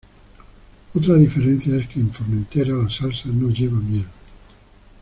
Otra diferencia es que en Formentera la salsa no lleva miel.